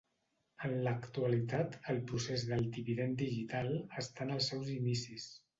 En l'actualitat, el procés del Dividend Digital està en els seus inicis.